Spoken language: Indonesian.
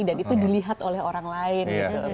dan itu dilihat oleh orang lain gitu